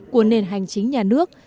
của nền hành chính nhà nước